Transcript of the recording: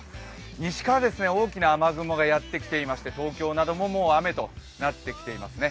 西から大きな雨雲がやってきていまして、東京なども、もう雨となってきていますね。